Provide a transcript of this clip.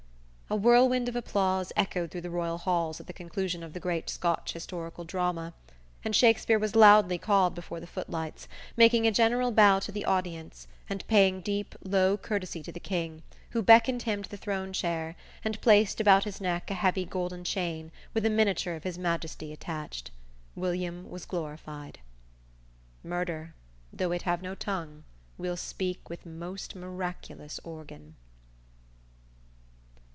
"_ A whirlwind of applause echoed through the royal halls at the conclusion of the great Scotch historical drama, and Shakspere was loudly called before the footlights, making a general bow to the audience, and paying deep, low courtesy to the King, who beckoned him to the throne chair, and placed about his neck a heavy golden chain with a miniature of His Majesty attached. William was glorified. _"Murder, though it have no tongue, will speak With most miraculous organ!"